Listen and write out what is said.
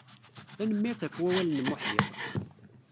Tanemmirt ɣef wawal-nnem uḥdiq.